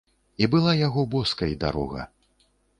І была яго боскай дарога.